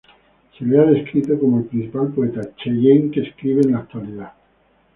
Se le ha descrito como el "principal poeta cheyenne que escribe en la actualidad".